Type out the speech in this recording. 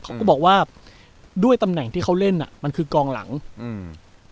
เขาก็บอกว่าด้วยตำแหน่งที่เขาเล่นอ่ะมันคือกองหลังอืม